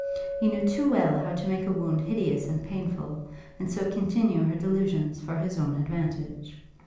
He knew too well how to make a wound hideous and painful, and so continue her delusion for his own advantage.